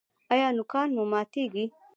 ایا نوکان مو ماتیږي؟